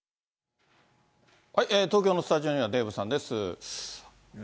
東京のスタジオにはデーブさんです。